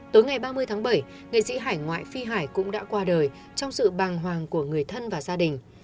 tối ngày ba mươi tháng bảy nghệ sĩ hải ngoại phi hải cũng đã qua đời trong sự bàng hoàng của người thân và gia đình